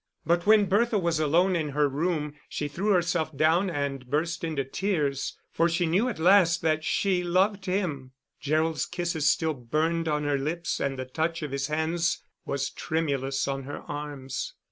But when Bertha was alone in her room, she threw herself down and burst into tears. For she knew at last that she loved him; Gerald's kisses still burned on her lips and the touch of his hands was tremulous on her arms.